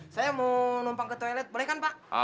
saya mau numpang ke toilet boleh kan pak